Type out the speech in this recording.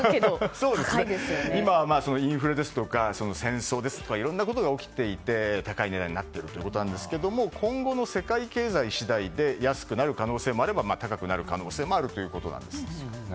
今、インフレですとか戦争ですとかいろんなことが起きていて高い値段になっていますが今後の世界経済次第で安くなる可能性もあれば高くなる可能性もあるということなんです。